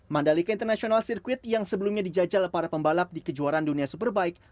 mandalika international circuit yang sebelumnya dijajal para pembalap di kejuaraan dunia superbike